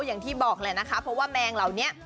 อย่างที่บอกแหละนะคะเพราะว่าแมงเหล่านี้